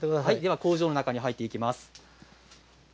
工場の中に入っていきます。